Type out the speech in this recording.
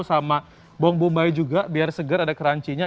sama bawang bombay juga biar segar ada crunchiness